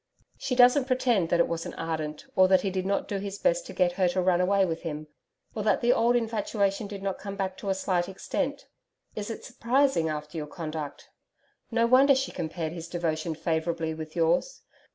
She doesn't pretend that it wasn't ardent, or that he did not do his best to get her to run away with him or that the old infatuation did not come back to a slight extent Is it surprising after your conduct? No wonder she compared his devotion favourably, with yours.